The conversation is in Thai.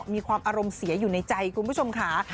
มีความอารมณ์เสียอยู่ในใจคุณผู้ชมค่ะ